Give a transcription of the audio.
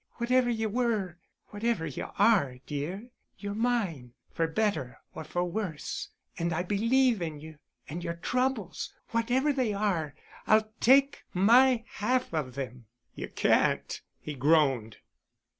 Whatever you were, whatever you are, dear, you're mine, for better or for worse, and I believe in you. And your troubles, whatever they are—I'll take my half of them." "You can't——" he groaned.